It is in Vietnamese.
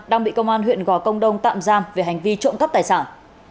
đang bị công an huyện gò công đông tạm giam về hành vi trộm cắp tài sản